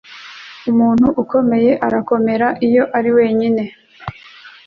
umuntu ukomeye arakomera iyo ari wenyine